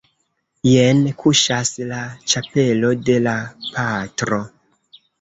Jen kuŝas la ĉapelo de la patro.